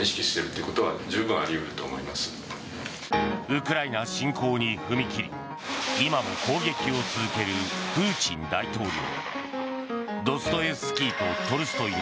ウクライナ侵攻に踏み切り今も攻撃を続けるプーチン大統領。